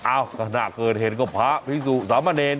อ้าวก็หน้าเกินเห็นกับพระภิกษุสามเณร